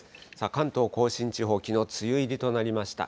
関東甲信地方、きのう、梅雨入りとなりました。